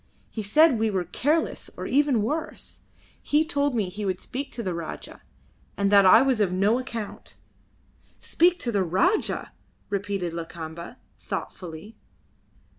He said we were careless or even worse. He told me he would speak to the Rajah, and that I was of no account." "Speak to the Rajah!" repeated Lakamba, thoughtfully.